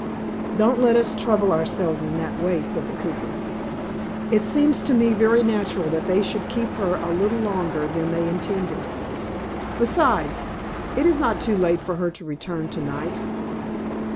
"Don't let us trouble ourselves in that way," said the cooper. "It seems to me very natural that they should keep her a little longer than they intended. Besides, it is not too late for her to return to night."